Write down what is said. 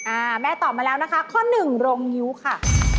อ่าแม่ตอบมาแล้วนะคะข้อหนึ่งโรงงิ้วค่ะ